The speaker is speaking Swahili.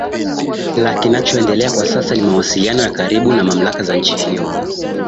la kinachoendelea kwa sasa ni mawasiliano ya karibu na mamlaka za nchi hiyo